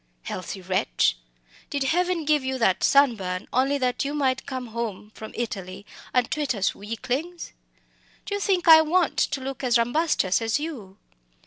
"Healthy wretch! Did Heaven give you that sun burn only that you might come home from Italy and twit us weaklings? Do you think I want to look as rombustious as you?